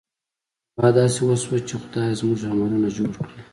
دعا داسې وشوه چې خدایه! زموږ عملونه جوړ کړې.